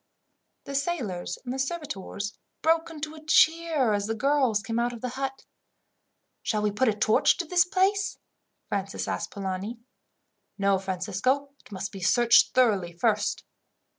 The sailors and servitors broke into a cheer as the girls came out of the hut. "Shall we put a torch to this place?" Francis asked Polani. "No, Francisco. It must be searched thoroughly first.